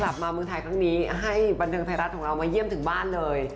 กลับมาเมืองไทยครั้งนี้ให้บันเทิงไทยรัฐของเรามาเยี่ยมถึงบ้านเลย